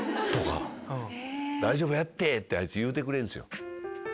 「大丈夫やって！」ってあいつ言うてくれるんすよ。